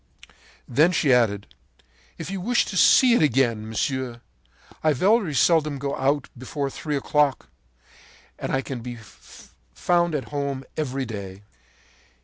“Then she added: 'If you wish to see it again, monsieur, I very seldom go out before three o'clock; and I can be found at home every day.'